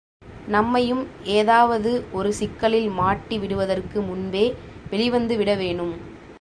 நம்மையும் ஏதாவது ஒரு சிக்கலில் மாட்டி விடுவதற்கு முன்பே வெளிவந்து விட வேணும்.